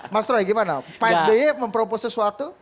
mas roy gimana pak sby mempropos sesuatu